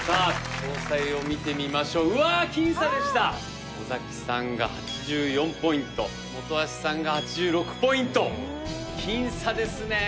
詳細を見てみましょううわっ僅差でした尾崎さんが８４ポイント本橋さんが８６ポイント僅差ですね！